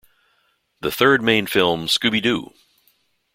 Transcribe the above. The third main film Scooby-Doo!